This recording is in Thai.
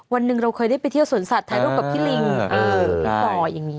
วันหนึ่งเราเคยได้ไปเที่ยวสวนสัตว์ถ่ายรูปกับพี่ลิงพี่ปออย่างนี้